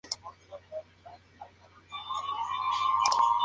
Según otra leyenda, la ciudad se llama de esta forma porque allí pastaban caballos.